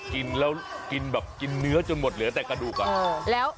กินแล้วกินแบบกินเนื้อจนหมดเหลือแต่กระดูกอ่ะ